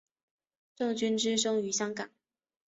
郑君炽生于香港。